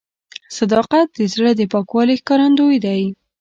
صداقت د زړه د پاکوالي ښکارندوی دی.